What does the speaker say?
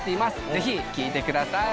ぜひ聴いてください